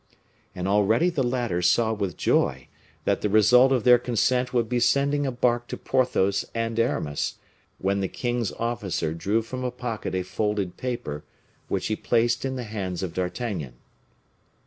And already the latter saw with joy that the result of their consent would be sending a bark to Porthos and Aramis, when the king's officer drew from a pocket a folded paper, which he placed in the hands of D'Artagnan.